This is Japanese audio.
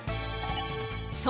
そう。